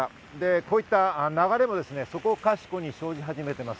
こういった流れも、そこかしこに生じ始めています。